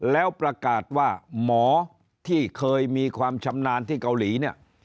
แล้วประกาศว่าหมอที่เคยมีความชำนาญที่เกาหลีเนี่ย